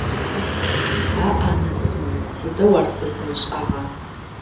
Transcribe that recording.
Аӏ-анасын, сыдэу ар сэ сымышӏагъа!